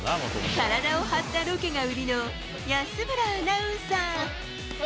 体を張ったロケが売りの安村アナウンサー。